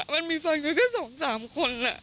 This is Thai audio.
มันมีฟังเวลาเท่ากัน๒๓คน